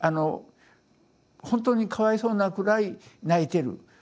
本当にかわいそうなくらい泣いてる。